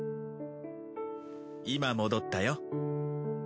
今戻ったよ。